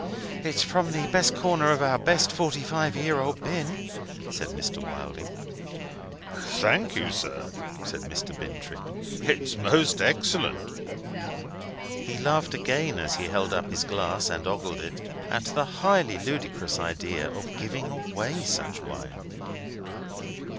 "It's from the best corner of our best forty five year old bin," said Mr. Wilding. "Thank you, sir," said Mr. Bintrey. "It's most excellent." He laughed again, as he held up his glass and ogled it, at the highly ludicrous idea of giving away such wine.